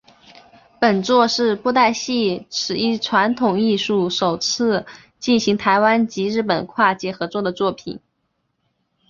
本作是布袋戏此一传统艺术首次进行台湾及日本跨界合作的作品。